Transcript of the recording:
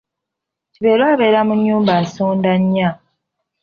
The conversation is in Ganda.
Kiberu abeera mu nnyumba nsondannya.